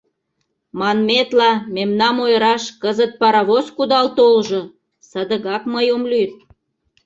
Манметла, мемнам ойыраш кызыт паровоз кудал толжо — садыгак мый ом лӱд.